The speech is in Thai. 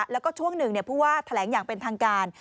แล้วก็ช่วงหนึ่งผู้ว่าแถลงอย่างเป็นทางการ